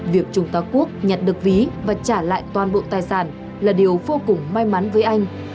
việc trung tá quốc nhặt được ví và trả lại toàn bộ tài sản là điều vô cùng may mắn với anh